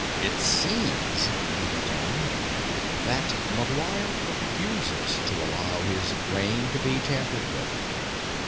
"It seems," he went on, "that McGuire refuses to allow his brain to be tampered with.